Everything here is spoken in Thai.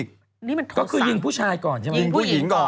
ก็คือยิงผู้ชายก่อนใช่ไหม